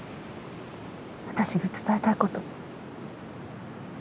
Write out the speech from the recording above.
私に伝えたいこと。